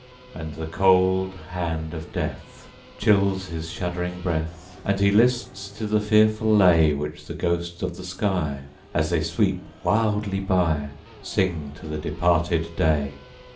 2. And the cold hand of death Chills his shuddering breath, As he lists to the fearful lay Which the ghosts of the sky, _10 As they sweep wildly by, Sing to departed day.